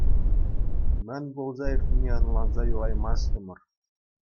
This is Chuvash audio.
Мӗн пулса иртнине ӑнланса юлаймастӑмӑр.